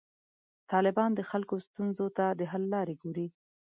طالبان د خلکو ستونزو ته د حل لارې ګوري.